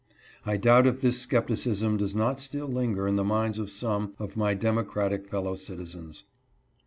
I doubt if this scepticism does not still linger in the minds of some of my democratic fellow citizens.